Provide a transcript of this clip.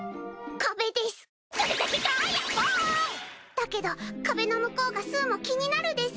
だけど壁の向こうがすうも気になるです。